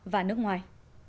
và nước ngoài